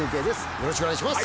よろしくお願いします。